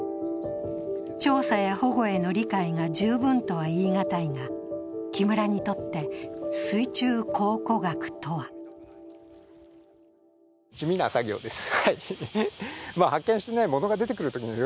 調査や保護への理解が十分とはいいがたいが、木村にとって水中考古学とは地味な作業です。